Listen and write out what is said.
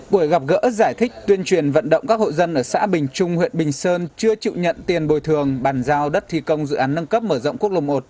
buổi gặp gỡ giải thích tuyên truyền vận động các hộ dân ở xã bình trung huyện bình sơn chưa chịu nhận tiền bồi thường bàn giao đất thi công dự án nâng cấp mở rộng quốc lộ một